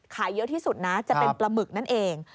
เยอะที่สุดนะจะเป็นปลาหมึกนั่นเอง